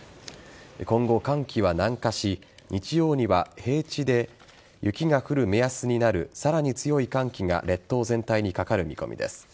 今後、寒気は南下し日曜には平地で雪が降る目安になるさらに強い寒気が列島全体にかかる見込みです。